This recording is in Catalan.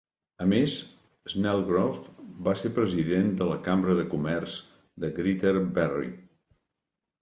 A més, Snelgrove va ser president de la Cambra de comerç de Greater Barrie.